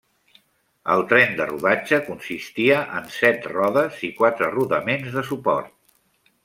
El tren de rodatge consistia en set rodes i quatre rodaments de suport.